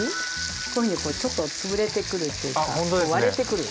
こういうふうにこうちょっと潰れてくるというかこう割れてくる。